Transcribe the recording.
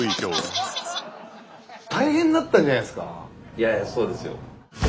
いやあそうですよ。